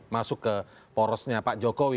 masuk ke porosnya pak jokowi